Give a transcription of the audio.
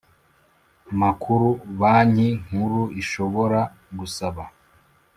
makuru Banki Nkuru ishobora gusaba